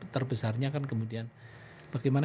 terbesarnya kan kemudian bagaimana